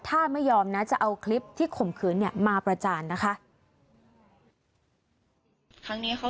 ถ้าไม่ยอมนะจะเอาคลิปที่ข่มขืนเนี่ยมาประจานนะคะ